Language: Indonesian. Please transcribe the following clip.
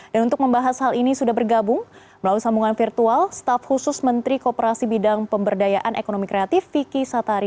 dan untuk membahas hal ini sudah bergabung melalui sambungan virtual staff khusus menteri kooperasi bidang pemberdayaan ekonomi kreatif vicky satari